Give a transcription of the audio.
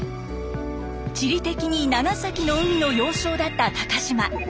地理的に長崎の海の要衝だった高島。